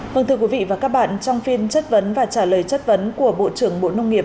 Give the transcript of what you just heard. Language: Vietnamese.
vâng thưa quý vị và các bạn trong phiên chất vấn và trả lời chất vấn của bộ trưởng bộ nông nghiệp